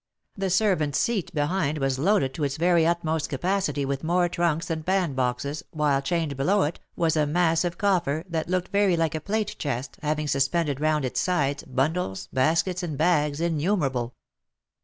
The servant's seat behind was loaded to its very utmost capacity with more trunks and bandboxes, while, chained below it, was a massive coffer, that looked very like a plate chest, having suspended round its sides, bundles, baskets, and bags innumerable.